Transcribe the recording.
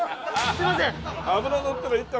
すいません！